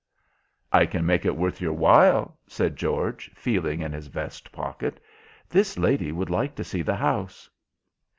"I can make it worth your while," said George, feeling in his vest pocket; "this lady would like to see the house."